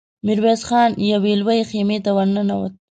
ميرويس خان يوې لويې خيمې ته ور ننوت.